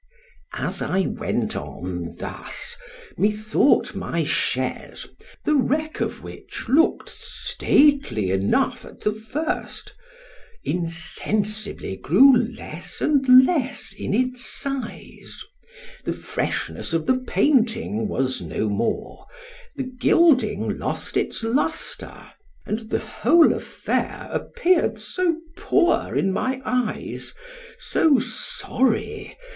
As I went on thus, methought my chaise, the wreck of which look'd stately enough at the first, insensibly grew less and less in its size; the freshness of the painting was no more—the gilding lost its lustre—and the whole affair appeared so poor in my eyes—so sorry!